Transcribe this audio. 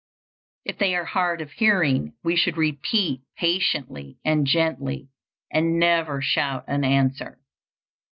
If they are hard of hearing, we should repeat patiently and gently and never shout an answer.